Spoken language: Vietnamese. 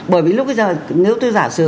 bởi vì lúc bây giờ nếu tôi giả sử